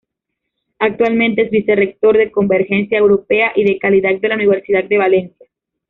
Actualmente es Vicerrector de Convergencia Europea y de Calidad de la Universidad de Valencia.